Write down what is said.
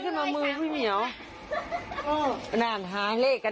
คุณผู้ชมดูทันอะดูทันนะ